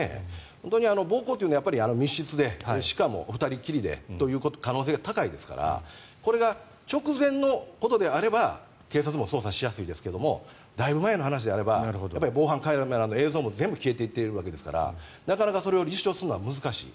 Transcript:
本当に暴行というのは密室でしかも２人きりでという可能性が高いですからこれが直前のことであれば警察も捜査しやすいですけどだいぶ前の話であれば防犯カメラの映像も全部消えているわけですからなかなかそれを立証するのは難しい。